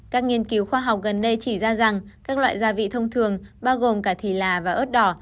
các nghiên cứu khoa học gần đây chỉ ra rằng các loại gia vị thông thường bao gồm cả thịt là và ớt đỏ